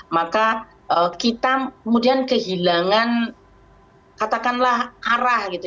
maka kita kemudian kehilangan katakanlah arah gitu